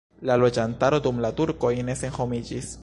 La loĝantaro dum la turkoj ne senhomiĝis.